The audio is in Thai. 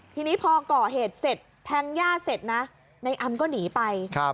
ทีนี้พอก่อเหตุเสร็จแทงย่าเสร็จนะในอำก็หนีไป